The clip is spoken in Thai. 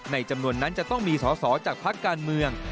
จำนวนนั้นจะต้องมีสอสอจากพักการเมือง